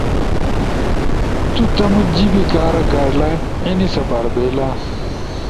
د تُو تم جیبی کارا گائیڈ لائن اینی سپاربئیلا۔